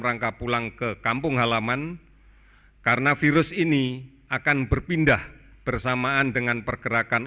rangka pulang ke kampung halaman karena virus ini akan berpindah bersamaan dengan pergerakan